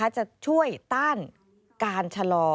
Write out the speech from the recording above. จะช่วยต้านการชะลอ